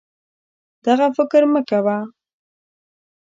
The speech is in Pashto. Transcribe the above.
دغه فکر مه کوه